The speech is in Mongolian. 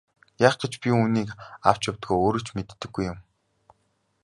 Яах гэж би үүнийг авч явдгаа өөрөө ч мэддэггүй юм.